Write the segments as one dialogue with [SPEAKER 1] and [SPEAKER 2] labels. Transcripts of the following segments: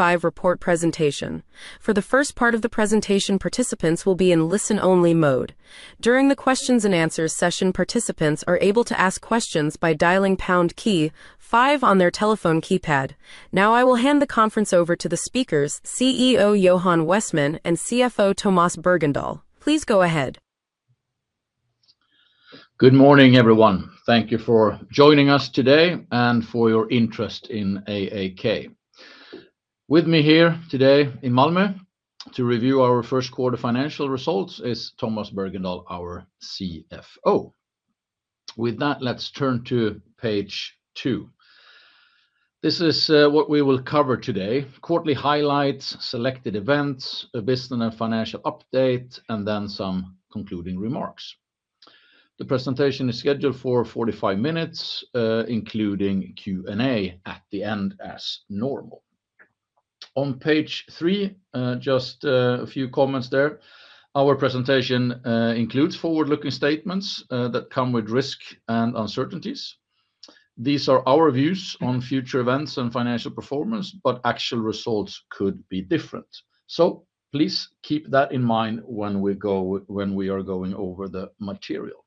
[SPEAKER 1] 2025 report presentation. For the first part of the presentation, participants will be in listen-only mode. During the Q&A session, participants are able to ask questions by dialing pound key five on their telephone keypad. Now, I will hand the conference over to the speakers, CEO Johan Westman and CFO Tomas Bergendahl. Please go ahead.
[SPEAKER 2] Good morning, everyone. Thank you for joining us today and for your interest in AAK. With me here today in Malmö to review our first quarter financial results is Tomas Bergendahl, our CFO. With that, let's turn to page two. This is what we will cover today: quarterly highlights, selected events, a business and financial update, and then some concluding remarks. The presentation is scheduled for 45 minutes, including Q&A at the end as normal. On page three, just a few comments there. Our presentation includes forward-looking statements that come with risk and uncertainties. These are our views on future events and financial performance, but actual results could be different. Please keep that in mind when we are going over the material.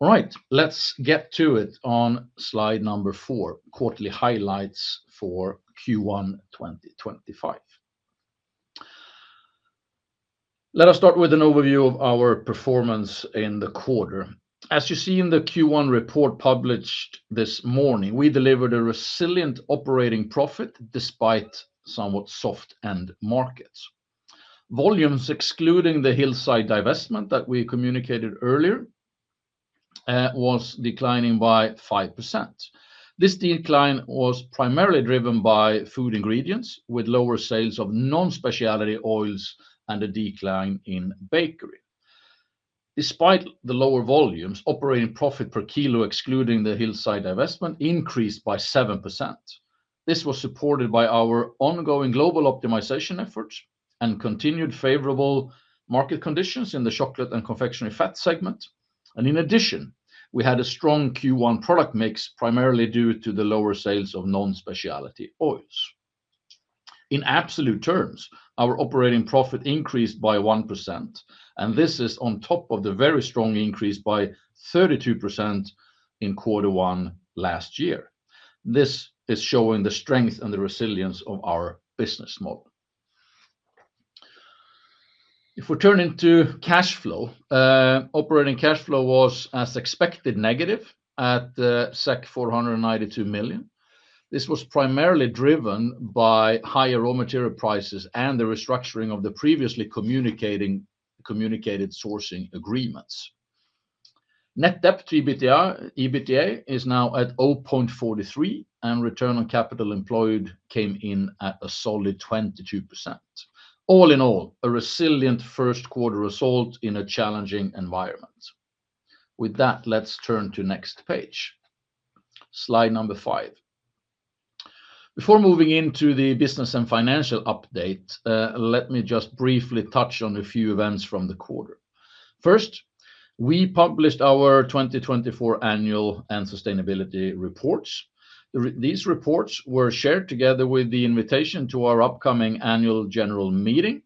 [SPEAKER 2] All right, let's get to it on slide number four: quarterly highlights for Q1 2025. Let us start with an overview of our performance in the quarter. As you see in the Q1 report published this morning, we delivered a resilient operating profit despite somewhat soft end markets. Volumes, excluding the Hillside divestment that we communicated earlier, was declining by 5%. This decline was primarily driven by Food Ingredients, with non-speciality oils and a decline in Bakery. Despite the lower volumes, operating profit per kilo, excluding the Hillside divestment, increased by 7%. This was supported by our ongoing global optimization efforts and continued favorable market conditions in the Chocolate and Confectionery Fats segment. In addition, we had a strong Q1 product mix, primarily due to the non-speciality oils. in absolute terms, our operating profit increased by 1%, and this is on top of the very strong increase by 32% in quarter one last year. This is showing the strength and the resilience of our business model. If we turn into cash flow, operating cash flow was, as expected, negative at 492 million. This was primarily driven by higher raw material prices and the restructuring of the previously communicated sourcing agreements. Net debt-to-EBITDA is now at 0.43, and return on capital employed came in at a solid 22%. All in all, a resilient first quarter result in a challenging environment. With that, let's turn to next page, slide number five. Before moving into the business and financial update, let me just briefly touch on a few events from the quarter. First, we published our 2024 Annual and Sustainability reports. These reports were shared together with the invitation to our upcoming Annual General Meeting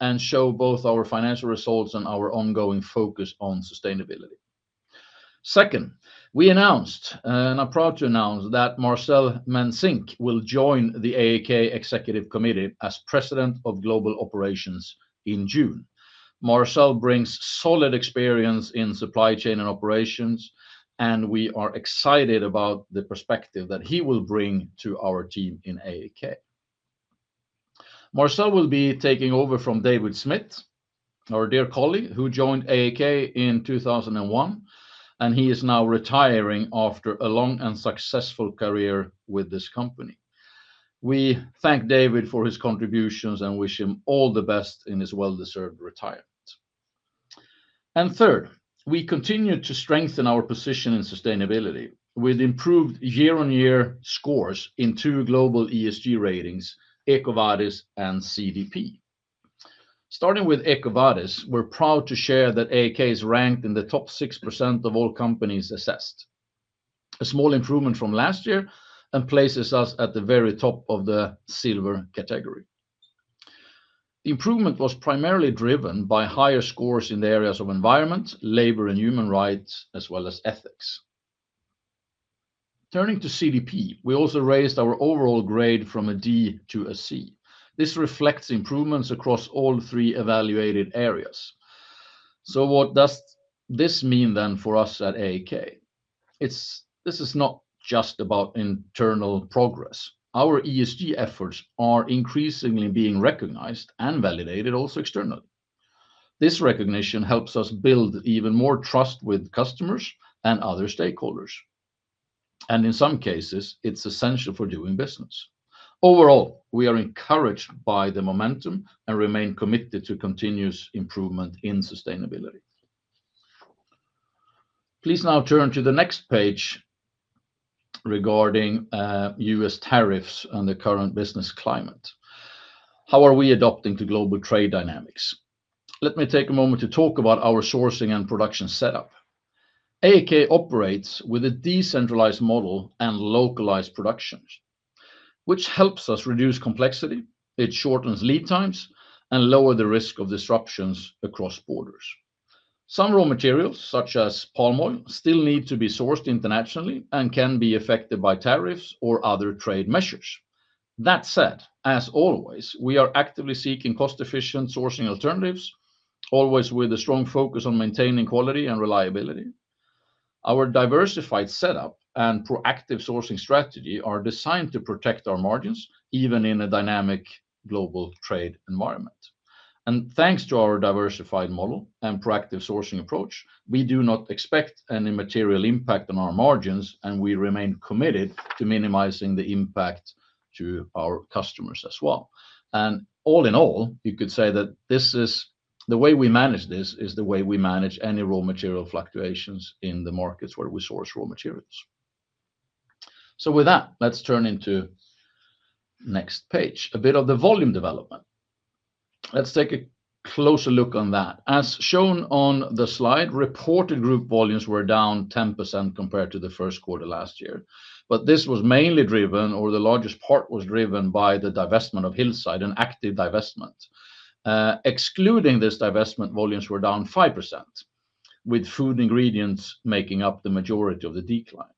[SPEAKER 2] and show both our financial results and our ongoing focus on sustainability. Second, we announced, and I'm proud to announce, that Marcel Mensink will join the AAK Executive Committee as President of Global Operations in June. Marcel brings solid experience in supply chain and operations, and we are excited about the perspective that he will bring to our team in AAK. Marcel will be taking over from David Smith, our dear colleague who joined AAK in 2001, and he is now retiring after a long and successful career with this company. We thank David for his contributions and wish him all the best in his well-deserved retirement. Third, we continue to strengthen our position in sustainability with improved year-on-year scores in two global ESG ratings, EcoVadis and CDP. Starting with EcoVadis, we're proud to share that AAK is ranked in the top 6% of all companies assessed, a small improvement from last year, and places us at the very top of the silver category. The improvement was primarily driven by higher scores in the areas of environment, labor, and human rights, as well as ethics. Turning to CDP, we also raised our overall grade from a D to a C. This reflects improvements across all three evaluated areas. What does this mean then for us at AAK? This is not just about internal progress. Our ESG efforts are increasingly being recognized and validated also externally. This recognition helps us build even more trust with customers and other stakeholders. In some cases, it's essential for doing business. Overall, we are encouraged by the momentum and remain committed to continuous improvement in sustainability. Please now turn to the next page regarding U.S. tariffs and the current business climate. How are we adopting the global trade dynamics? Let me take a moment to talk about our sourcing and production setup. AAK operates with a decentralized model and localized production, which helps us reduce complexity, it shortens lead times, and lowers the risk of disruptions across borders. Some raw materials, such as palm oil, still need to be sourced internationally and can be affected by tariffs or other trade measures. That said, as always, we are actively seeking cost-efficient sourcing alternatives, always with a strong focus on maintaining quality and reliability. Our diversified setup and proactive sourcing strategy are designed to protect our margins even in a dynamic global trade environment. Thanks to our diversified model and proactive sourcing approach, we do not expect any material impact on our margins, and we remain committed to minimizing the impact to our customers as well. All in all, you could say that this is the way we manage any raw material fluctuations in the markets where we source raw materials. With that, let's turn to the next page, a bit of the volume development. Let's take a closer look at that. As shown on the slide, reported group volumes were down 10% compared to the first quarter last year. This was mainly driven, or the largest part was driven, by the divestment of Hillside, an active divestment. Excluding this divestment, volumes were down 5%, with Food Ingredients making up the majority of the decline.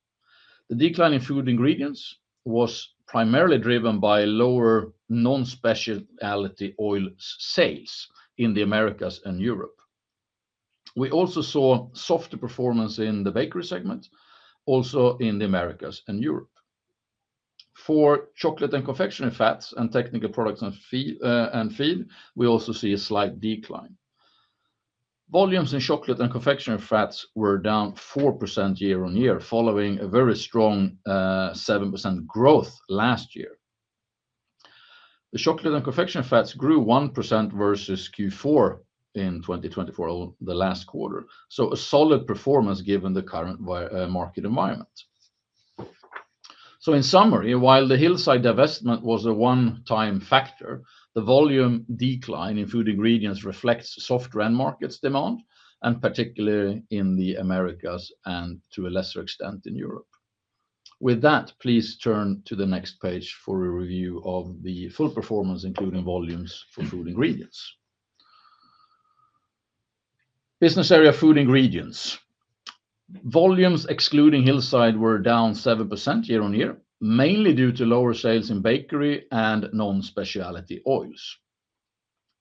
[SPEAKER 2] The decline in Food Ingredients was primarily driven by non-speciality oil sales in the Americas and Europe. We also saw softer performance in the Bakery segment, also in the Americas and Europe. For Chocolate and Confectionery Fats and Technical Products and Feed, we also see a slight decline. Volumes in Chocolate and Confectionery Fats were down 4% year-on-year, following a very strong 7% growth last year. The Chocolate and Confectionery Fats grew 1% versus Q4 in 2024, the last quarter. A solid performance given the current market environment. In summary, while the Hillside divestment was a one-time factor, the volume decline in Food Ingredients reflects soft end markets demand, and particularly in the Americas and to a lesser extent in Europe. With that, please turn to the next page for a review of the full performance, including volumes for Food Ingredients. Business area Food Ingredients. Volumes, excluding Hillside, were down 7% year-on-year, mainly due to lower sales non-speciality oils.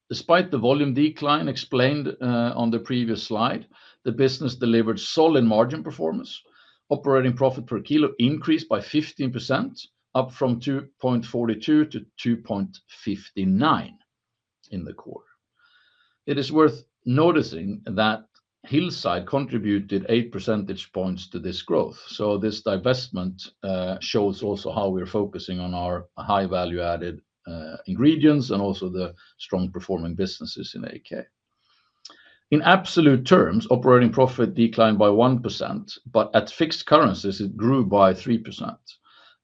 [SPEAKER 2] despite the volume decline explained on the previous slide, the business delivered solid margin performance. Operating profit per kilo increased by 15%, up from 2.42 to 2.59 in the quarter. It is worth noticing that Hillside contributed 8 percentage points to this growth. This divestment shows also how we are focusing on our high value-added ingredients and also the strong performing businesses in AAK. In absolute terms, operating profit declined by 1%, but at fixed currencies, it grew by 3%.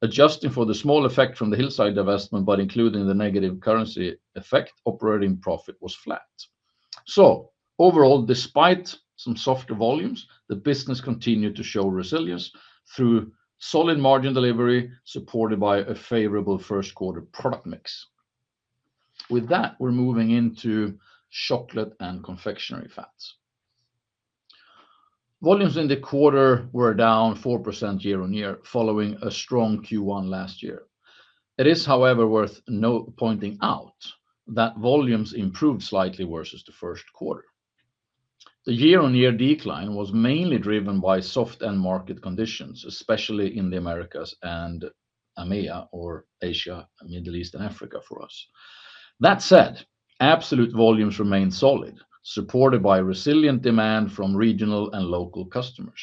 [SPEAKER 2] Adjusting for the small effect from the Hillside divestment, but including the negative currency effect, operating profit was flat. Overall, despite some softer volumes, the business continued to show resilience through solid margin delivery supported by a favorable first quarter product mix. With that, we're moving into Chocolate and Confectionery Fats. Volumes in the quarter were down 4% year-on-year, following a strong Q1 last year. It is, however, worth pointing out that volumes improved slightly versus the first quarter. The year-on-year decline was mainly driven by soft end market conditions, especially in the Americas and AMEA, or Asia, Middle East, and Africa for us. That said, absolute volumes remained solid, supported by resilient demand from regional and local customers.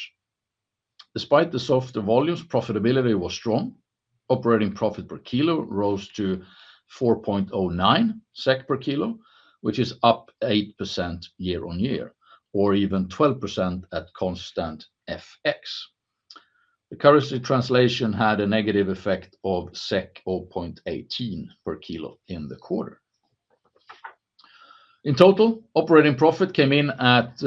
[SPEAKER 2] Despite the softer volumes, profitability was strong. Operating profit per kilo rose to 4.09 SEK per kilo, which is up 8% year-on-year, or even 12% at constant FX. The currency translation had a negative effect of 0.18 per kilo in the quarter. In total, operating profit came in at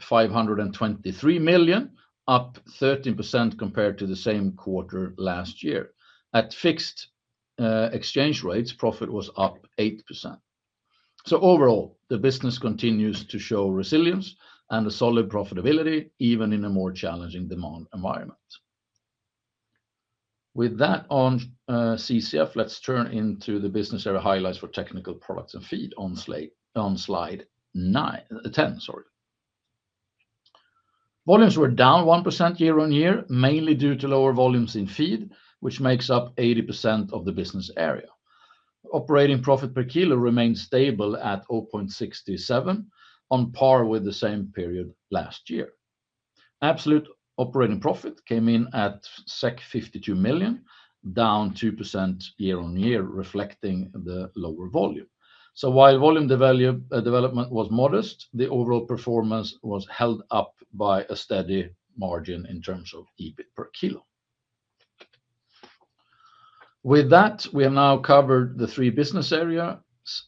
[SPEAKER 2] 523 million, up 13% compared to the same quarter last year. At fixed exchange rates, profit was up 8%. Overall, the business continues to show resilience and solid profitability, even in a more challenging demand environment. With that on CCF, let's turn to the business area highlights for Technical Products and Feed on slide 10. Volumes were down 1% year-on-year, mainly due to lower volumes in Feed, which makes up 80% of the business area. Operating profit per kilo remained stable at 0.67, on par with the same period last year. Absolute operating profit came in at 52 million, down 2% year-on-year, reflecting the lower volume. While volume development was modest, the overall performance was held up by a steady margin in terms of EBIT per kilo. With that, we have now covered the three business areas,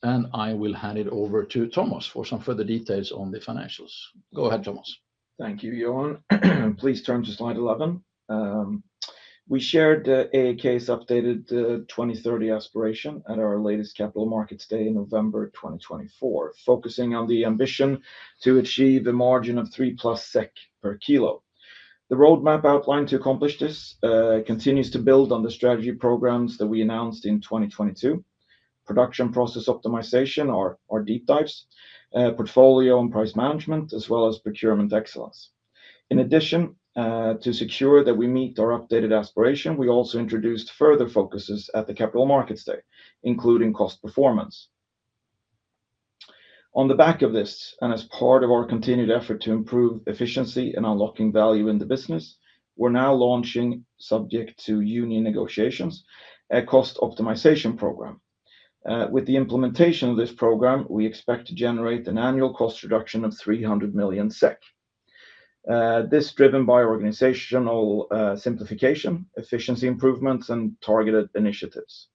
[SPEAKER 2] and I will hand it over to Tomas for some further details on the financials. Go ahead, Tomas.
[SPEAKER 3] Thank you, Johan. Please turn to slide 11. We shared AAK's updated 2030 aspiration at our latest Capital Markets Day in November 2024, focusing on the ambition to achieve a margin of 3+ SEK per kilo. The roadmap outlined to accomplish this continues to build on the strategy programs that we announced in 2022, production process optimization, our deep dives, portfolio and price management, as well as procurement excellence. In addition, to secure that we meet our updated aspiration, we also introduced further focuses at the Capital Markets Day, including cost performance. On the back of this, and as part of our continued effort to improve efficiency and unlocking value in the business, we're now launching, subject to union negotiations, a cost optimization program. With the implementation of this program, we expect to generate an annual cost reduction of 300 million SEK. This is driven by organizational simplification, efficiency improvements, and targeted initiatives,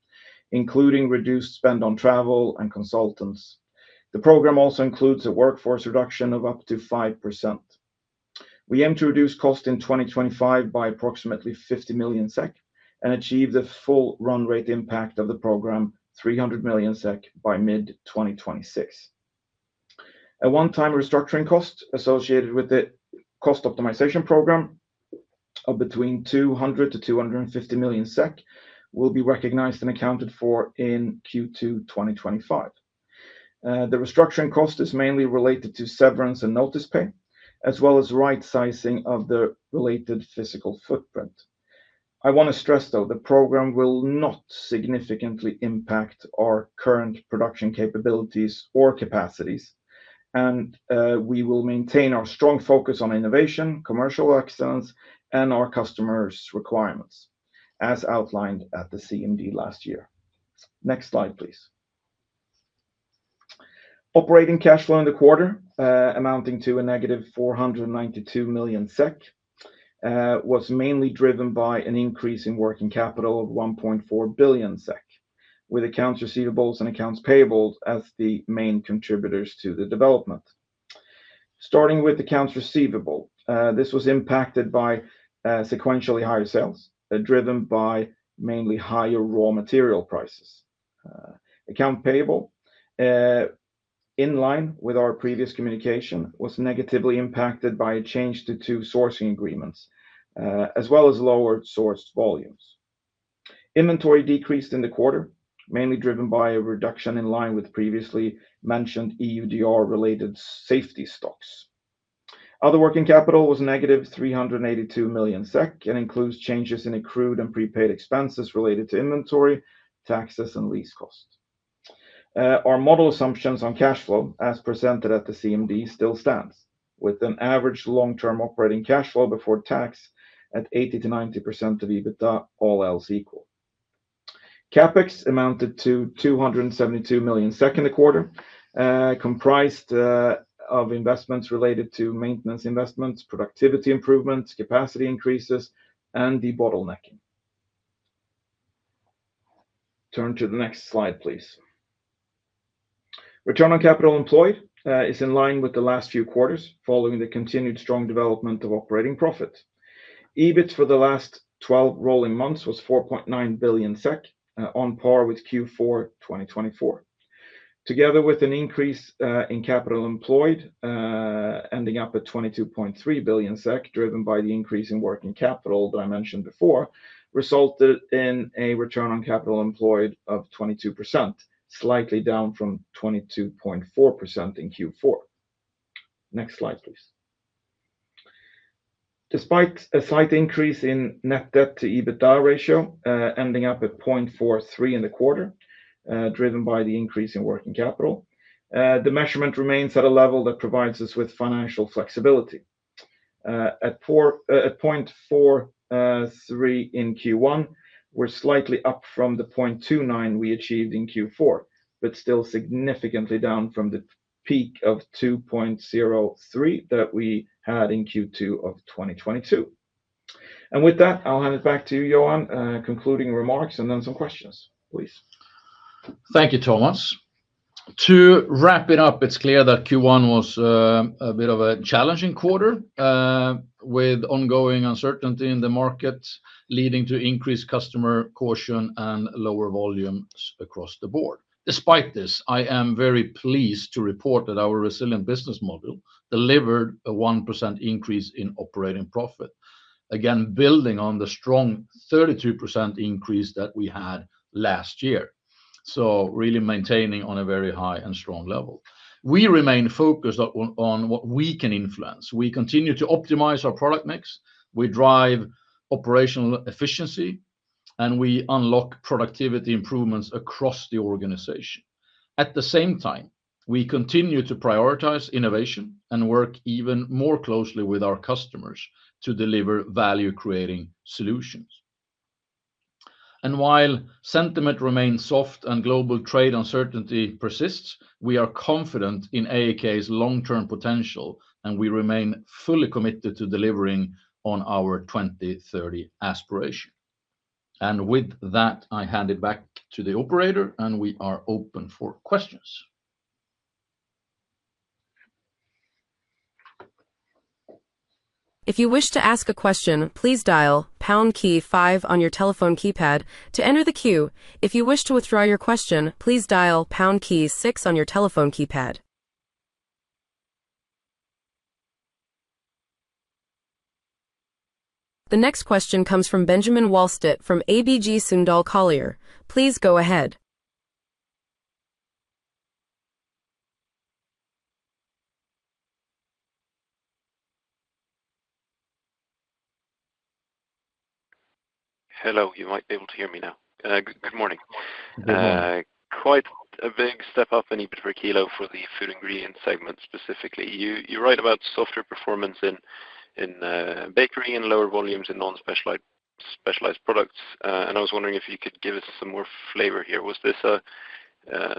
[SPEAKER 3] including reduced spend on travel and consultants. The program also includes a workforce reduction of up to 5%. We aim to reduce cost in 2025 by approximately 50 million SEK and achieve the full run rate impact of the program, 300 million SEK, by mid-2026. A one-time restructuring cost associated with the cost optimization program of between 200-250 million SEK will be recognized and accounted for in Q2 2025. The restructuring cost is mainly related to severance and notice pay, as well as right-sizing of the related physical footprint. I want to stress, though, the program will not significantly impact our current production capabilities or capacities, and we will maintain our strong focus on innovation, commercial excellence, and our customers' requirements, as outlined at the CMD last year. Next slide, please. Operating cash flow in the quarter, amounting to a -492 million SEK, was mainly driven by an increase in working capital of 1.4 billion SEK, with accounts receivables and accounts payables as the main contributors to the development. Starting with accounts receivable, this was impacted by sequentially higher sales, driven by mainly higher raw material prices. Accounts payable, in line with our previous communication, was negatively impacted by a change to two sourcing agreements, as well as lower sourced volumes. Inventory decreased in the quarter, mainly driven by a reduction in line with previously mentioned EUDR related safety stocks. Other working capital was -382 million SEK and includes changes in accrued and prepaid expenses related to inventory, taxes, and lease costs. Our model assumptions on cash flow, as presented at the CMD, still stands, with an average long-term operating cash flow before tax at 80%-90% of EBITDA, all else equal. CapEx amounted to 272 million in the quarter, comprised of investments related to maintenance investments, productivity improvements, capacity increases, and debottlenecking. Turn to the next slide, please. Return on capital employed is in line with the last few quarters, following the continued strong development of operating profit. EBIT for the last 12 rolling months was 4.9 billion SEK, on par with Q4 2024. Together with an increase in capital employed, ending up at 22.3 billion SEK, driven by the increase in working capital that I mentioned before, resulted in a return on capital employed of 22%, slightly down from 22.4% in Q4. Next slide, please. Despite a slight increase in net debt-to-EBITDA ratio, ending up at 0.43 in the quarter, driven by the increase in working capital, the measurement remains at a level that provides us with financial flexibility. At 0.43 in Q1, we're slightly up from the 0.29 we achieved in Q4, but still significantly down from the peak of 2.03 that we had in Q2 of 2022. With that, I'll hand it back to you, Johan, concluding remarks and then some questions, please.
[SPEAKER 2] Thank you, Tomas. To wrap it up, it's clear that Q1 was a bit of a challenging quarter, with ongoing uncertainty in the market, leading to increased customer caution and lower volumes across the board. Despite this, I am very pleased to report that our resilient business model delivered a 1% increase in operating profit, again building on the strong 32% increase that we had last year. Really maintaining on a very high and strong level. We remain focused on what we can influence. We continue to optimize our product mix. We drive operational efficiency, and we unlock productivity improvements across the organization. At the same time, we continue to prioritize innovation and work even more closely with our customers to deliver value-creating solutions. While sentiment remains soft and global trade uncertainty persists, we are confident in AAK's long-term potential, and we remain fully committed to delivering on our 2030 aspiration. With that, I hand it back to the operator, and we are open for questions.
[SPEAKER 1] If you wish to ask a question, please dial pound key five on your telephone keypad to enter the queue. If you wish to withdraw your question, please dial pound key six on your telephone keypad. The next question comes from Benjamin Wahlstedt from ABG Sundal Collier. Please go ahead.
[SPEAKER 4] Hello, you might be able to hear me now. Good morning. Quite a big step up in EBIT per kilo for the Food Ingredients segment specifically. You write about softer performance in Bakery and lower volumes in non-specialized products. I was wondering if you could give us some more flavor here. Was this a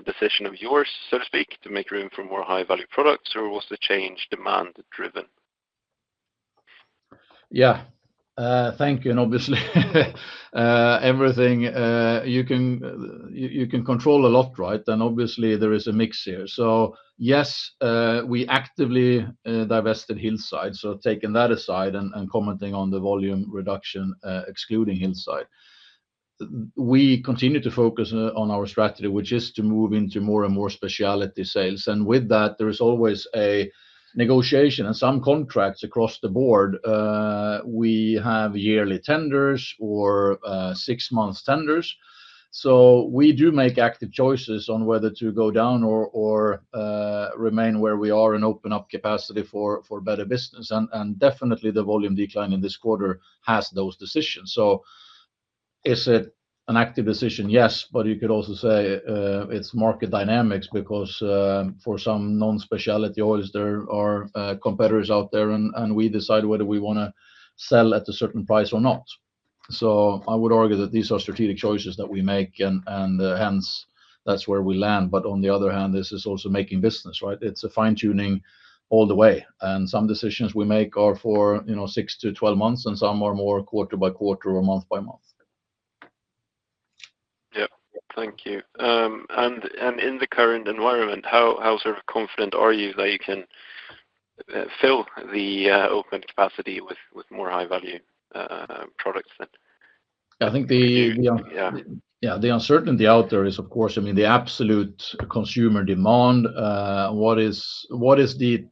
[SPEAKER 4] decision of yours, so to speak, to make room for more high-value products, or was the change demand-driven?
[SPEAKER 2] Yeah, thank you. Obviously, everything you can control a lot, right? Obviously, there is a mix here. Yes, we actively divested Hillside. Taking that aside and commenting on the volume reduction excluding Hillside, we continue to focus on our strategy, which is to move into more and more speciality sales. With that, there is always a negotiation and some contracts across the board. We have yearly tenders or six-month tenders. We do make active choices on whether to go down or remain where we are and open up capacity for better business. Definitely, the volume decline in this quarter has those decisions. Is it an active decision? Yes, but you could also say it's market dynamics non-speciality oils, there are competitors out there, and we decide whether we want to sell at a certain price or not. I would argue that these are strategic choices that we make, and hence, that's where we land. On the other hand, this is also making business, right? It's a fine-tuning all the way. Some decisions we make are for 6 to 12 months, and some are more quarter by quarter or month by month.
[SPEAKER 4] Yeah, thank you. In the current environment, how sort of confident are you that you can fill the open capacity with more high-value products then?
[SPEAKER 2] I think the uncertainty out there is, of course, I mean, the absolute consumer demand. What is the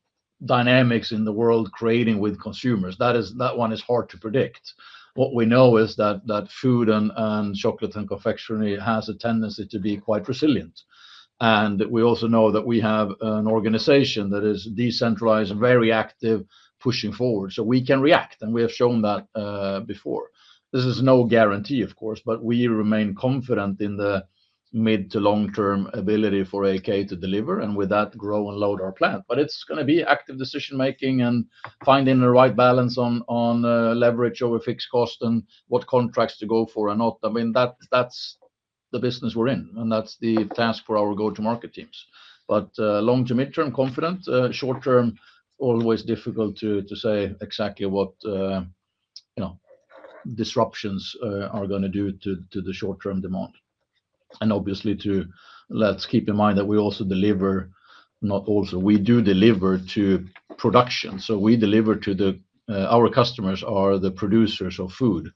[SPEAKER 2] dynamics in the world creating with consumers? That one is hard to predict. What we know is that food and chocolate and confectionery has a tendency to be quite resilient. We also know that we have an organization that is decentralized and very active pushing forward. We can react, and we have shown that before. This is no guarantee, of course, but we remain confident in the mid to long-term ability for AAK to deliver and with that grow and load our plant. It is going to be active decision-making and finding the right balance on leverage over fixed cost and what contracts to go for and not. I mean, that's the business we're in, and that's the task for our go-to-market teams. Long to mid-term, confident. Short term, always difficult to say exactly what disruptions are going to do to the short-term demand. Obviously, let's keep in mind that we also deliver, not also, we do deliver to production. We deliver to our customers who are the producers of food.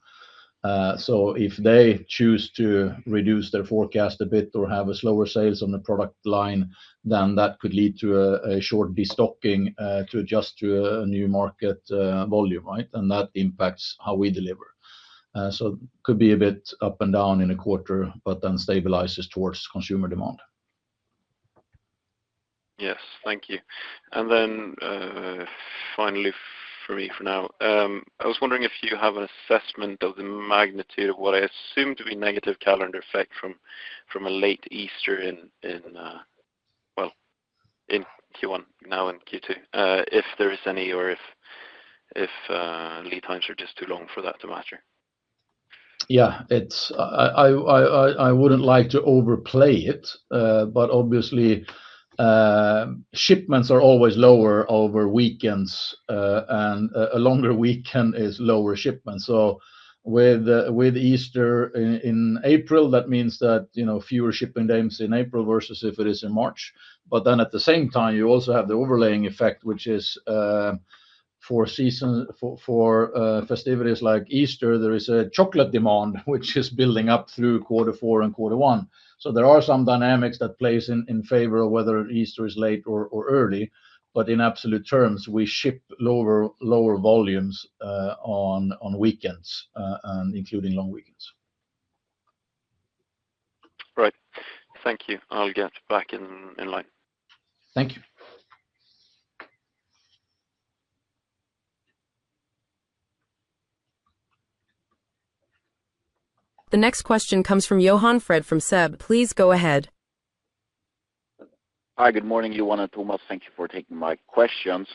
[SPEAKER 2] If they choose to reduce their forecast a bit or have slower sales on the product line, then that could lead to a short destocking to adjust to a new market volume, right? That impacts how we deliver. It could be a bit up and down in a quarter, but then stabilizes towards consumer demand.
[SPEAKER 4] Yes, thank you. Finally for me for now, I was wondering if you have an assessment of the magnitude of what I assume to be negative calendar effect from a late Easter in, well, in Q1 now and Q2, if there is any or if lead times are just too long for that to matter.
[SPEAKER 2] Yeah, I would not like to overplay it, but obviously, shipments are always lower over weekends, and a longer weekend is lower shipments. With Easter in April, that means that fewer shipping days in April versus if it is in March. At the same time, you also have the overlaying effect, which is for festivities like Easter, there is a chocolate demand, which is building up through quarter four and quarter one. There are some dynamics that play in favor of whether Easter is late or early, but in absolute terms, we ship lower volumes on weekends, including long weekends.
[SPEAKER 4] Right. Thank you. I'll get back in line.
[SPEAKER 2] Thank you.
[SPEAKER 1] The next question comes from Johan Fred from SEB. Please go ahead.
[SPEAKER 5] Hi, good morning, Johan and Tomas. Thank you for taking my questions.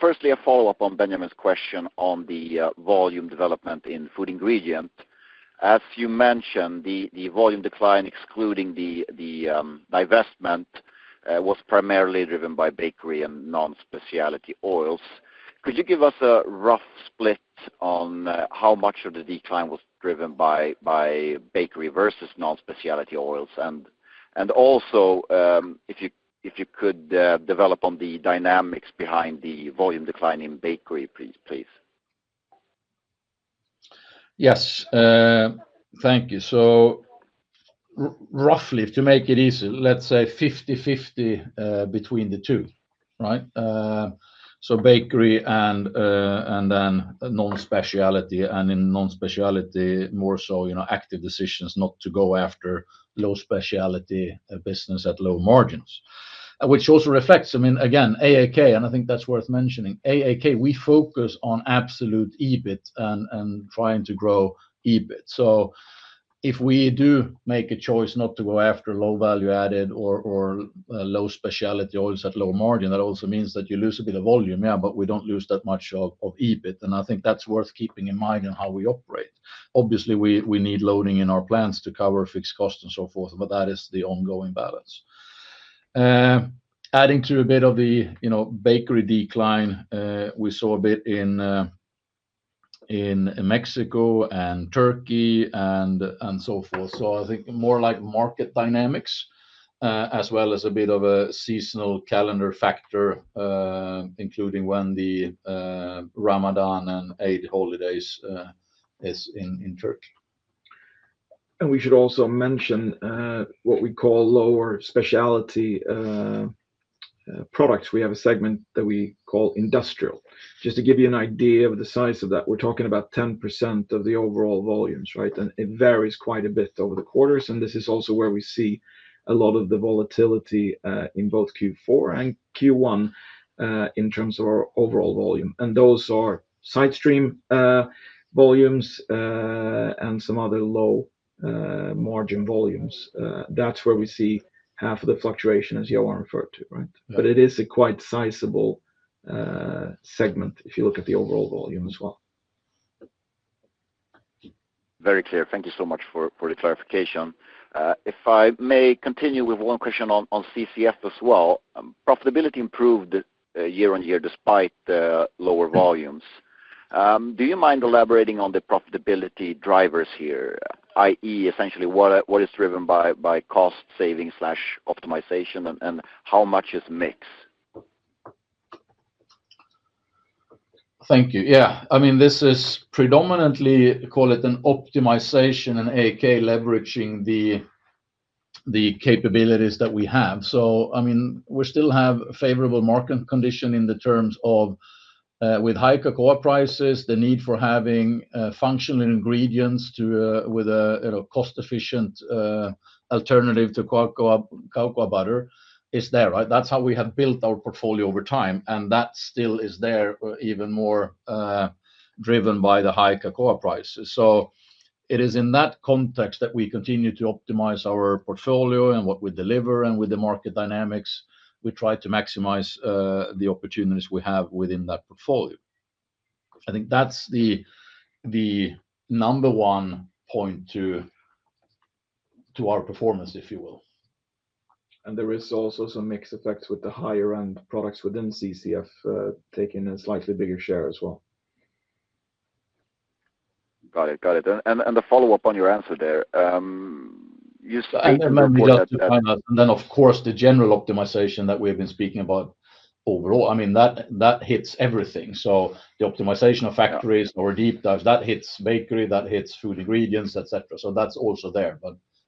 [SPEAKER 5] Firstly, a follow-up on Benjamin's question on the volume development in Food Ingredients. As you mentioned, the volume decline, excluding the divestment, was primarily driven non-speciality oils. could you give us a rough split on how much of the decline was driven non-speciality oils? also, if you could develop on the dynamics behind the volume decline in Bakery, please.
[SPEAKER 2] Yes, thank you. Roughly, to make it easy, let's say 50-50 between the two, right? Bakery and then non-speciality, and in non-speciality, more so active decisions not to go after low-speciality business at low margins, which also reflects, I mean, again, AAK, and I think that's worth mentioning. AAK, we focus on absolute EBIT and trying to grow EBIT. If we do make a choice not to go low-speciality oils at low margin, that also means that you lose a bit of volume, yeah, but we do not lose that much of EBIT. I think that's worth keeping in mind in how we operate. Obviously, we need loading in our plants to cover fixed costs and so forth, but that is the ongoing balance. Adding to a bit of the Bakery decline, we saw a bit in Mexico and Turkey and so forth. I think more like market dynamics, as well as a bit of a seasonal calendar factor, including when the Ramadan and Eid holidays are in Turkey.
[SPEAKER 3] We should also mention what we call lower-speciality products. We have a segment that we call Industrial. Just to give you an idea of the size of that, we're talking about 10% of the overall volumes, right? It varies quite a bit over the quarters. This is also where we see a lot of the volatility in both Q4 and Q1 in terms of our overall volume. Those are side stream volumes and some other low-margin volumes. That's where we see half of the fluctuation, as Johan referred to, right? It is a quite sizable segment if you look at the overall volume as well.
[SPEAKER 5] Very clear. Thank you so much for the clarification. If I may continue with one question on CCF as well. Profitability improved year on year despite lower volumes. Do you mind elaborating on the profitability drivers here, i.e., essentially what is driven by cost savings/optimization and how much is mixed?
[SPEAKER 2] Thank you. Yeah. I mean, this is predominantly, call it an optimization in AAK leveraging the capabilities that we have. I mean, we still have favorable market conditions in the terms of with high cocoa prices, the need for having functional ingredients with a cost-efficient alternative to cocoa butter is there, right? That's how we have built our portfolio over time. That still is there even more driven by the high cocoa prices. It is in that context that we continue to optimize our portfolio and what we deliver and with the market dynamics, we try to maximize the opportunities we have within that portfolio. I think that's the number one point to our performance, if you will.
[SPEAKER 3] There is also some mixed effects with the higher-end products within CCF taking a slightly bigger share as well.
[SPEAKER 5] Got it. Got it. The follow-up on your answer there, you said that.
[SPEAKER 2] Of course, the general optimization that we have been speaking about overall, I mean, that hits everything. The optimization of factories or deep dives, that hits Bakery, that hits Food Ingredients, etc. That's also there.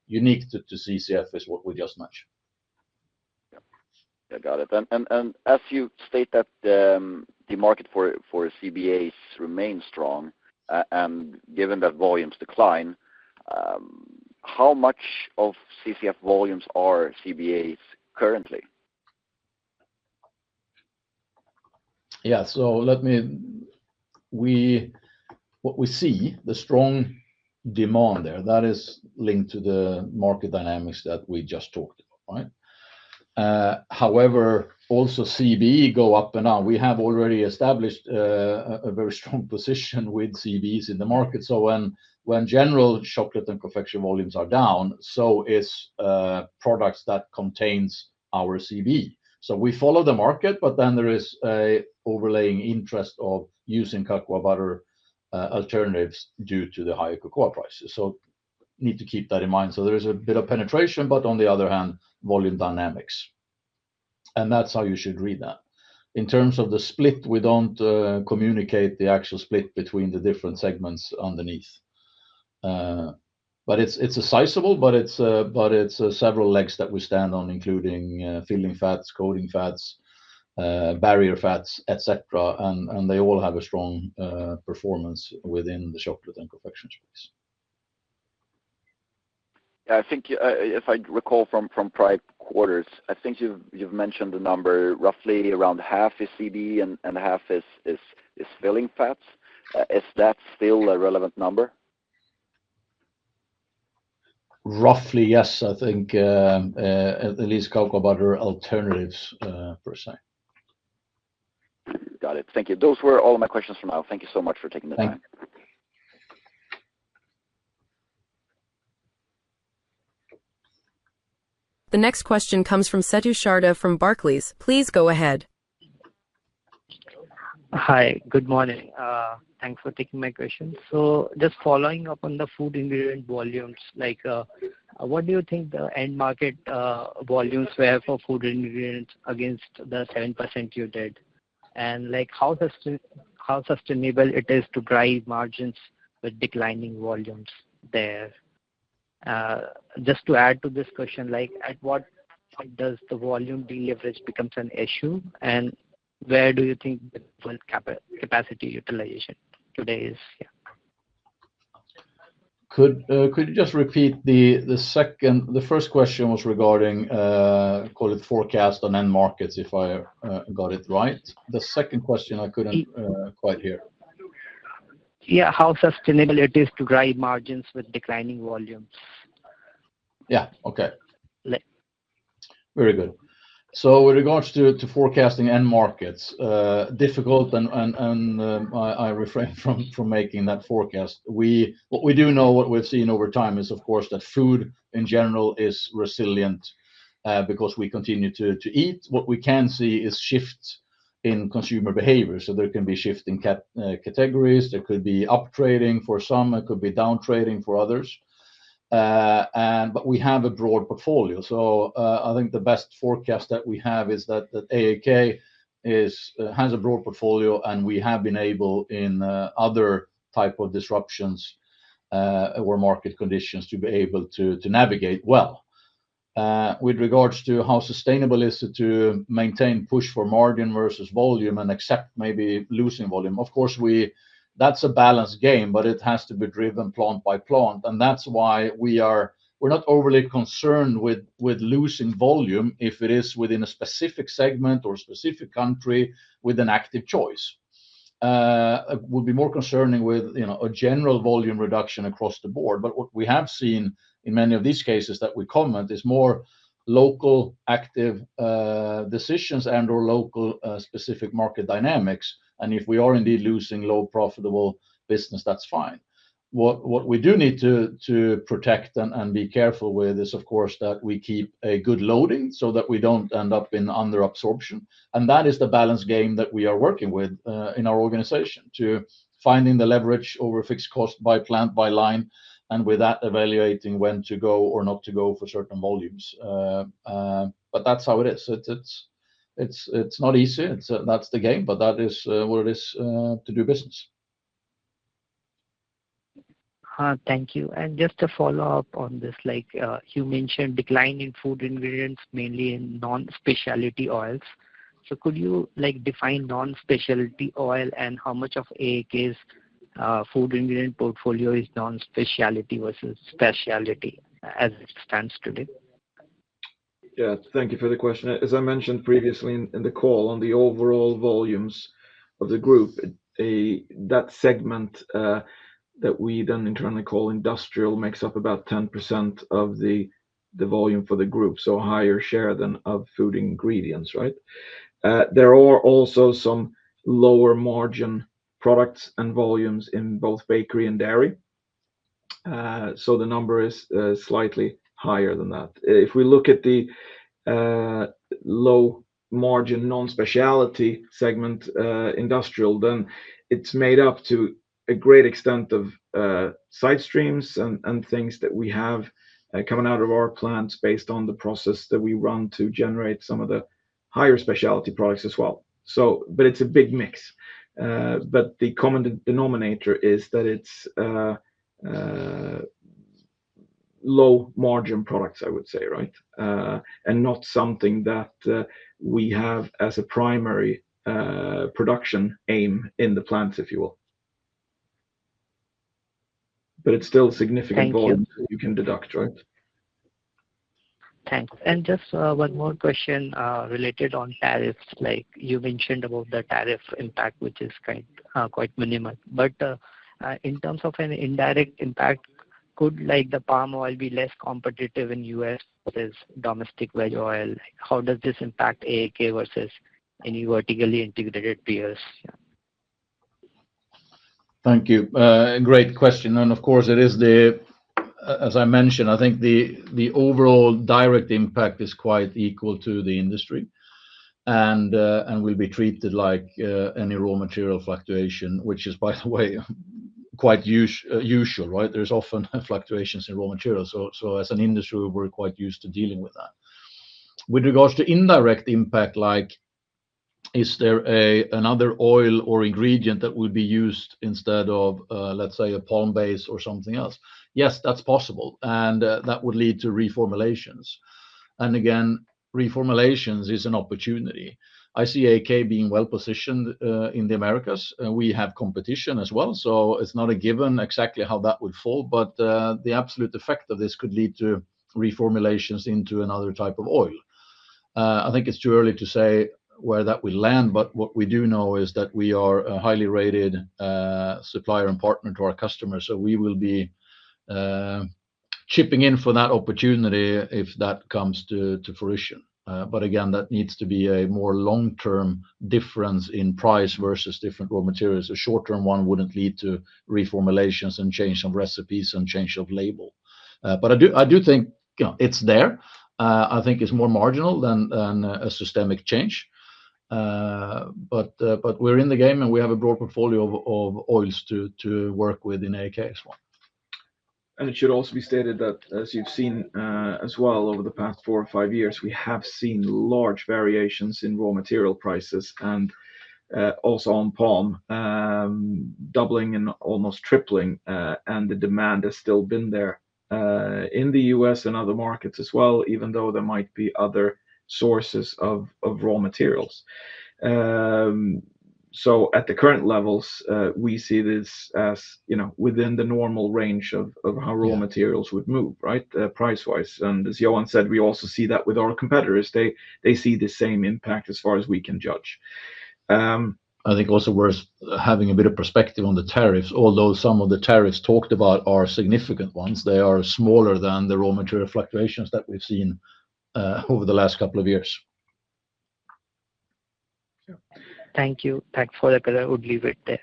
[SPEAKER 2] Unique to CCF is what we just mentioned.
[SPEAKER 5] Yeah. Got it. As you state that the market for CBAs remains strong and given that volumes decline, how much of CCF volumes are CBAs currently?
[SPEAKER 2] Yeah. What we see, the strong demand there, that is linked to the market dynamics that we just talked about, right? However, also CBE go up and down. We have already established a very strong position with CBEs in the market. When general chocolate and confectionery volumes are down, so is products that contain our CBE. We follow the market, but then there is an overlaying interest of using cocoa butter alternatives due to the higher cocoa prices. Need to keep that in mind. There is a bit of penetration, but on the other hand, volume dynamics. That is how you should read that. In terms of the split, we do not communicate the actual split between the different segments underneath. It is sizable, but it is several legs that we stand on, including filling fats, coating fats, barrier fats, etc. They all have a strong performance within the chocolate and confectionery space.
[SPEAKER 5] Yeah. I think if I recall from prior quarters, I think you've mentioned the number roughly around half is CBE and half is filling fats. Is that still a relevant number?
[SPEAKER 2] Roughly, yes. I think at least cocoa butter alternatives per se.
[SPEAKER 5] Got it. Thank you. Those were all my questions for now. Thank you so much for taking the time.
[SPEAKER 1] The next question comes from Setu Sharda from Barclays. Please go ahead.
[SPEAKER 6] Hi. Good morning. Thanks for taking my question. Just following up on the Food Ingredient volumes, what do you think the end market volumes were for Food Ingredients against the 7% you did? And how sustainable it is to drive margins with declining volumes there? Just to add to this question, at what does the volume delivery become an issue? Where do you think the capacity utilization today is?
[SPEAKER 2] Could you just repeat, the first question was regarding the forecast on end markets, if I got it right? The second question, I could not quite hear.
[SPEAKER 6] Yeah. How sustainable it is to drive margins with declining volumes?
[SPEAKER 2] Yeah. Okay. Very good. With regards to forecasting end markets, difficult, and I refrain from making that forecast. What we do know, what we have seen over time is, of course, that food in general is resilient because we continue to eat. What we can see is shifts in consumer behavior. There can be shifts in categories. There could be uptrading for some. It could be downtrading for others. We have a broad portfolio. I think the best forecast that we have is that AAK has a broad portfolio, and we have been able in other types of disruptions or market conditions to be able to navigate well. With regards to how sustainable is it to maintain push for margin versus volume and accept maybe losing volume? Of course, that's a balanced game, but it has to be driven plant by plant. That's why we're not overly concerned with losing volume if it is within a specific segment or specific country with an active choice. It would be more concerning with a general volume reduction across the board. What we have seen in many of these cases that we comment is more local active decisions and/or local specific market dynamics. If we are indeed losing low-profitable business, that's fine. What we do need to protect and be careful with is, of course, that we keep a good loading so that we don't end up in under-absorption. That is the balance game that we are working with in our organization to finding the leverage over fixed cost by plant, by line, and with that evaluating when to go or not to go for certain volumes. That is how it is. It's not easy. That's the game, but that is what it is to do business.
[SPEAKER 6] Thank you. Just to follow up on this, you mentioned decline in Food non-speciality oils. could you non-speciality oil and how much of AAK's Food Ingredient portfolio is non-speciality versus speciality as it stands today?
[SPEAKER 3] Yeah. Thank you for the question. As I mentioned previously in the call, on the overall volumes of the group, that segment that we then internally call Industrial makes up about 10% of the volume for the group, so a higher share than of Food Ingredients, right? There are also some lower margin products and volumes in both Bakery and Dairy. The number is slightly higher than that. If we look at the low-margin non-speciality segment Industrial, then it is made up to a great extent of side streams and things that we have coming out of our plants based on the process that we run to generate some of the higher speciality products as well. It is a big mix. The common denominator is that it is low-margin products, I would say, right? Not something that we have as a primary production aim in the plants, if you will. It is still significant volume that you can deduct, right?
[SPEAKER 6] Thanks. Just one more question related on tariffs. You mentioned about the tariff impact, which is quite minimal. In terms of an indirect impact, could the palm oil be less competitive in the U.S. versus domestic veg oil? How does this impact AAK versus any vertically integrated peers?
[SPEAKER 2] Thank you. Great question. Of course, it is the, as I mentioned, I think the overall direct impact is quite equal to the industry and will be treated like any raw material fluctuation, which is, by the way, quite usual, right? There are often fluctuations in raw materials. As an industry, we're quite used to dealing with that. With regards to indirect impact, is there another oil or ingredient that would be used instead of, let's say, a palm base or something else? Yes, that's possible. That would lead to reformulations. Again, reformulations is an opportunity. I see AAK being well-positioned in the Americas. We have competition as well. It is not a given exactly how that would fall, but the absolute effect of this could lead to reformulations into another type of oil. I think it is too early to say where that will land, but what we do know is that we are a highly rated supplier and partner to our customers. We will be chipping in for that opportunity if that comes to fruition. That needs to be a more long-term difference in price versus different raw materials. A short-term one would not lead to reformulations and change of recipes and change of label. I do think it is there. I think it is more marginal than a systemic change. We are in the game, and we have a broad portfolio of oils to work with in AAK as well.
[SPEAKER 3] It should also be stated that, as you've seen as well over the past four or five years, we have seen large variations in raw material prices and also on palm, doubling and almost tripling. The demand has still been there in the U.S. and other markets as well, even though there might be other sources of raw materials. At the current levels, we see this as within the normal range of how raw materials would move, right, price-wise. As Johan said, we also see that with our competitors. They see the same impact as far as we can judge.
[SPEAKER 2] I think also worth having a bit of perspective on the tariffs, although some of the tariffs talked about are significant ones. They are smaller than the raw material fluctuations that we've seen over the last couple of years.
[SPEAKER 6] Thank you. Thanks for the clear.I would leave it there.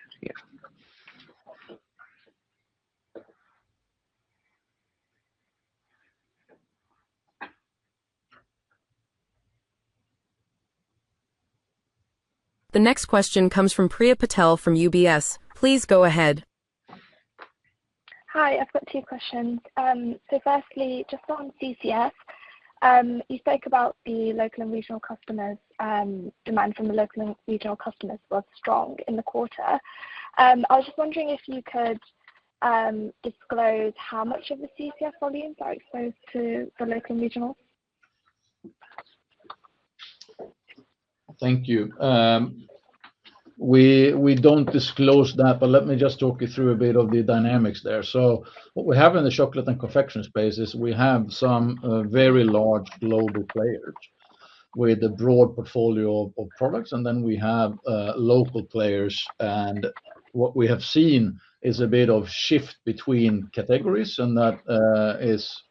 [SPEAKER 1] The next question comes from Priya Patel from UBS. Please go ahead.
[SPEAKER 7] Hi. I've got two questions. Firstly, just on CCF, you spoke about the local and regional customers. Demand from the local and regional customers was strong in the quarter. I was just wondering if you could disclose how much of the CCF volumes are exposed to the local and regional.
[SPEAKER 2] Thank you. We do not disclose that, but let me just talk you through a bit of the dynamics there. What we have in the Chocolate and Confectionery space is we have some very large global players with a broad portfolio of products. Then we have local players. What we have seen is a bit of shift between categories. That is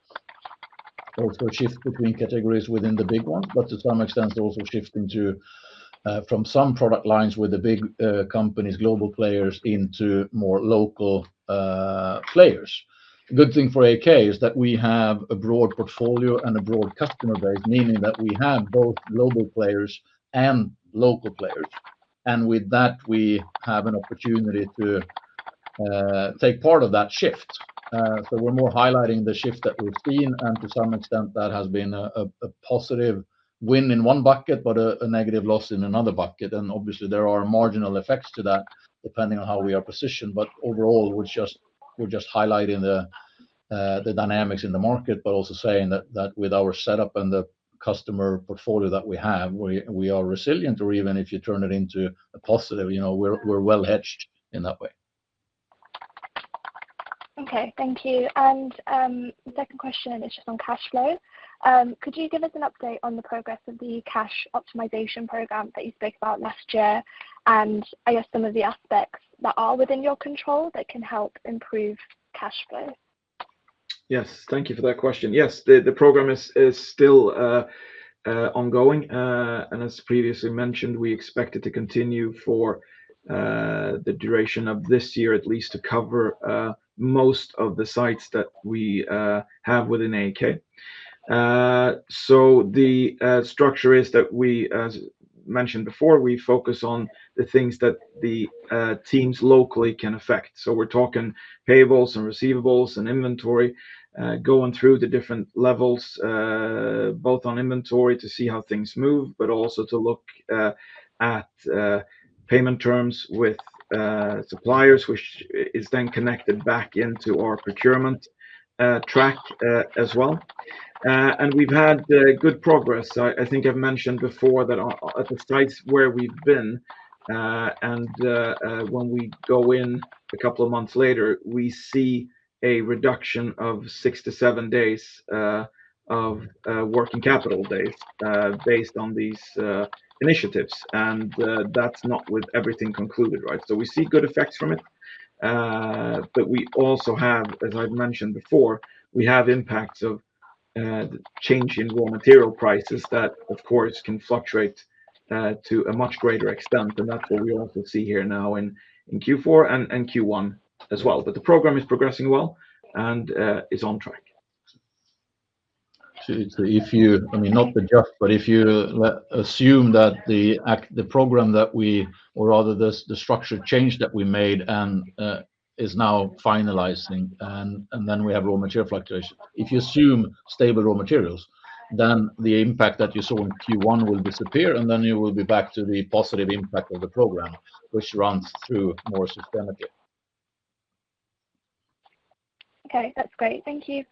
[SPEAKER 2] also a shift between categories within the big ones, but to some extent, also shifting from some product lines with the big companies, global players, into more local players. The good thing for AAK is that we have a broad portfolio and a broad customer base, meaning that we have both global players and local players. With that, we have an opportunity to take part of that shift. We are more highlighting the shift that we have seen. To some extent, that has been a positive win in one bucket, but a negative loss in another bucket. Obviously, there are marginal effects to that depending on how we are positioned. Overall, we're just highlighting the dynamics in the market, but also saying that with our setup and the customer portfolio that we have, we are resilient, or even if you turn it into a positive, we're well-hedged in that way.
[SPEAKER 7] Okay. Thank you. The second question is just on cash flow. Could you give us an update on the progress of the cash optimization program that you spoke about last year and, I guess, some of the aspects that are within your control that can help improve cash flow?
[SPEAKER 3] Yes. Thank you for that question. Yes. The program is still ongoing. As previously mentioned, we expect it to continue for the duration of this year, at least to cover most of the sites that we have within AAK. The structure is that, as mentioned before, we focus on the things that the teams locally can affect. We're talking payables and receivables and inventory, going through the different levels, both on inventory to see how things move, but also to look at payment terms with suppliers, which is then connected back into our procurement track as well. We've had good progress. I think I've mentioned before that at the sites where we've been, and when we go in a couple of months later, we see a reduction of six to seven days of working capital days based on these initiatives. That's not with everything concluded, right? We see good effects from it. We also have, as I've mentioned before, impacts of change in raw material prices that, of course, can fluctuate to a much greater extent. That's what we also see here now in Q4 and Q1 as well. The program is progressing well and is on track.
[SPEAKER 2] I mean, not the job, but if you assume that the program that we, or rather the structure change that we made is now finalizing, and then we have raw material fluctuation. If you assume stable raw materials, then the impact that you saw in Q1 will disappear, and then you will be back to the positive impact of the program, which runs through more systemically. Okay.
[SPEAKER 7] That's great. Thank you.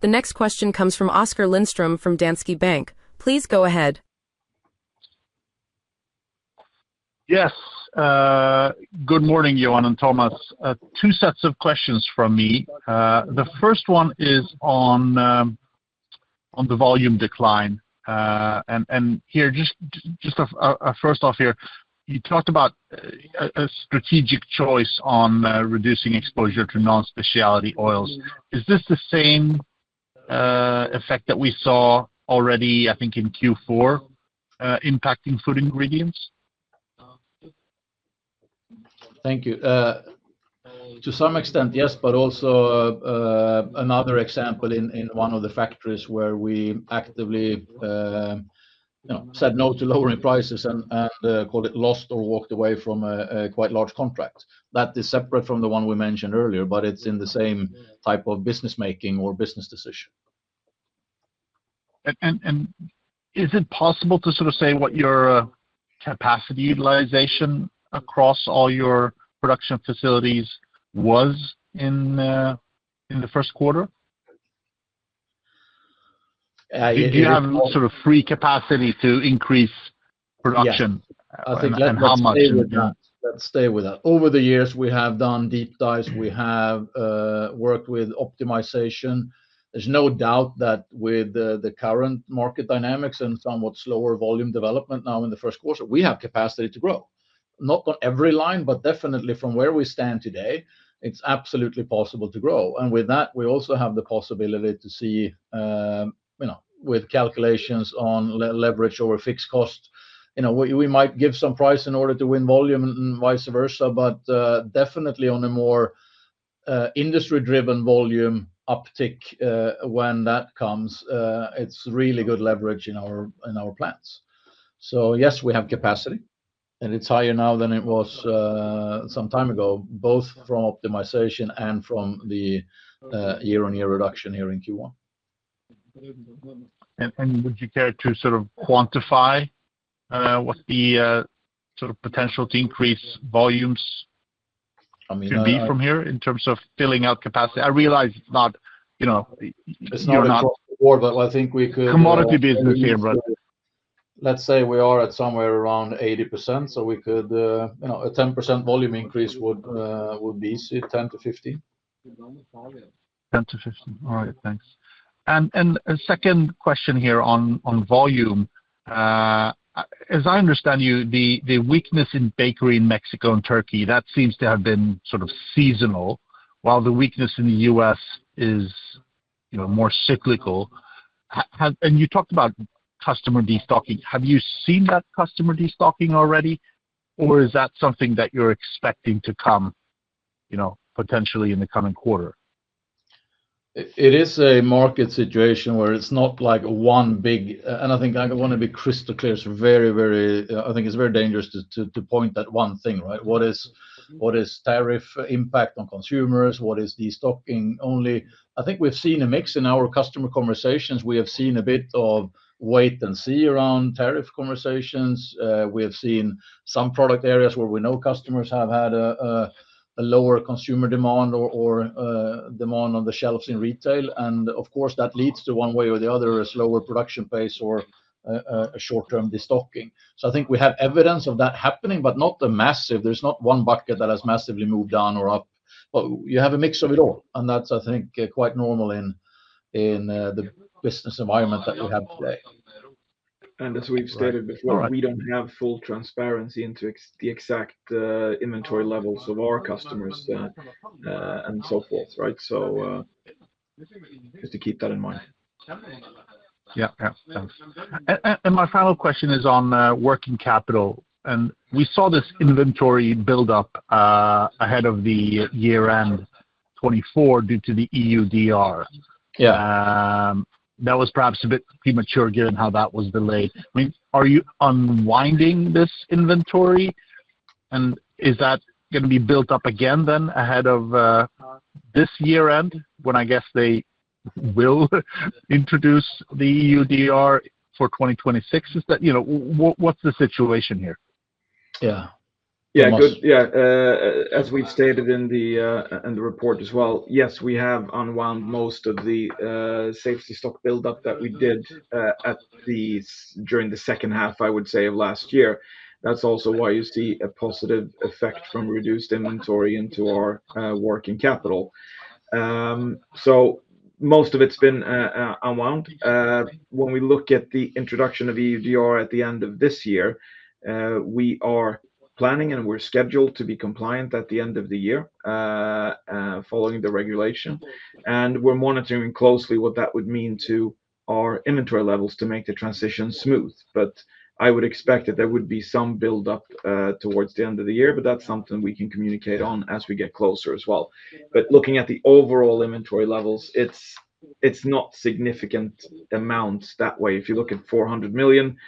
[SPEAKER 1] The next question comes from Oskar Lindström from Danske Bank. Please go ahead.
[SPEAKER 8] Yes. Good morning, Johan and Tomas. Two sets of questions from me. The first one is on the volume decline. And just first off here, you talked about a strategic choice on non-speciality oils. is this the same effect that we saw already, I think, in Q4 impacting Food Ingredients?
[SPEAKER 2] Thank you. To some extent, yes, but also another example in one of the factories where we actively said no to lowering prices and called it lost or walked away from a quite large contract. That is separate from the one we mentioned earlier, but it is in the same type of business-making or business decision.
[SPEAKER 8] Is it possible to sort of say what your capacity utilization across all your production facilities was in the first quarter? Do you have sort of free capacity to increase production? Yes. I think let's stay with that.
[SPEAKER 2] Over the years, we have done deep dives. We have worked with optimization. There is no doubt that with the current market dynamics and somewhat slower volume development now in the first quarter, we have capacity to grow. Not on every line, but definitely from where we stand today, it is absolutely possible to grow. With that, we also have the possibility to see with calculations on leverage over fixed cost. We might give some price in order to win volume and vice versa, but definitely on a more industry-driven volume uptick when that comes, it is really good leverage in our plants. Yes, we have capacity, and it is higher now than it was some time ago, both from optimization and from the year-on-year reduction here in Q1.
[SPEAKER 8] Would you care to sort of quantify what the sort of potential to increase volumes could be from here in terms of filling out capacity? I realize it is not a question for, but I think we could. Commodity business here, brother.
[SPEAKER 2] Let's say we are at somewhere around 80%, so a 10% volume increase would be 10-15.
[SPEAKER 8] 10-15. All right. Thanks. A second question here on volume. As I understand you, the weakness in Bakery in Mexico and Turkey, that seems to have been sort of seasonal, while the weakness in the U.S. is more cyclical. You talked about customer destocking. Have you seen that customer destocking already, or is that something that you're expecting to come potentially in the coming quarter?
[SPEAKER 2] It is a market situation where it's not like one big, and I think I want to be crystal clear. It's very, very, I think it's very dangerous to point at one thing, right? What is tariff impact on consumers? What is destocking only? I think we've seen a mix in our customer conversations. We have seen a bit of wait and see around tariff conversations. We have seen some product areas where we know customers have had a lower consumer demand or demand on the shelves in retail. Of course, that leads to one way or the other, a slower production pace or a short-term destocking. I think we have evidence of that happening, but not the massive. There is not one bucket that has massively moved down or up. You have a mix of it all. That is, I think, quite normal in the business environment that we have today.
[SPEAKER 3] As we have stated before, we do not have full transparency into the exact inventory levels of our customers and so forth, right? Just to keep that in mind.
[SPEAKER 8] Yeah. Yeah. Thanks. My final question is on working capital. We saw this inventory buildup ahead of the year-end 2024 due to the EUDR. That was perhaps a bit premature given how that was delayed. I mean, are you unwinding this inventory, and is that going to be built up again then ahead of this year-end when I guess they will introduce the EUDR for 2026? What's the situation here?
[SPEAKER 2] Yeah. Yeah. Good. Yeah. As we've stated in the report as well, yes, we have unwound most of the safety stock buildup that we did during the second half, I would say, of last year. That's also why you see a positive effect from reduced inventory into our working capital. Most of it's been unwound. When we look at the introduction of EUDR at the end of this year, we are planning, and we're scheduled to be compliant at the end of the year following the regulation. We're monitoring closely what that would mean to our inventory levels to make the transition smooth. I would expect that there would be some buildup towards the end of the year, but that's something we can communicate on as we get closer as well. Looking at the overall inventory levels, it's not significant amounts that way. If you look at 400 million,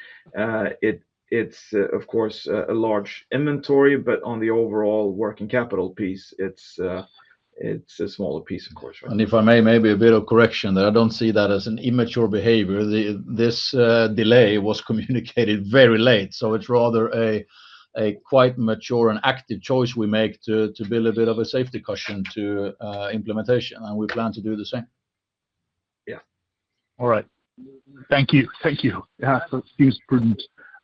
[SPEAKER 2] it's, of course, a large inventory, but on the overall working capital piece, it's a smaller piece, of course. If I may, maybe a bit of correction there. I don't see that as an immature behavior. This delay was communicated very late. It's rather a quite mature and active choice we make to build a bit of a safety cushion to implementation. We plan to do the same.
[SPEAKER 8] Yeah. All right. Thank you. Thank you. Yeah. That seems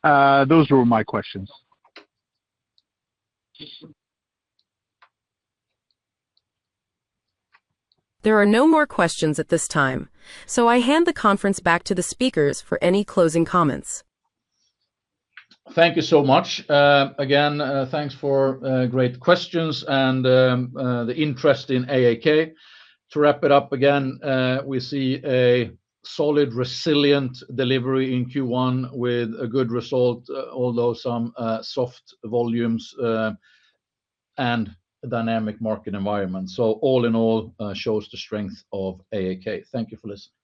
[SPEAKER 8] prudent. Those were my questions.
[SPEAKER 1] There are no more questions at this time. I hand the conference back to the speakers for any closing comments.
[SPEAKER 2] Thank you so much. Again, thanks for great questions and the interest in AAK. To wrap it up again, we see a solid, resilient delivery in Q1 with a good result, although some soft volumes and dynamic market environment. All in all, it shows the strength of AAK. Thank you for listening.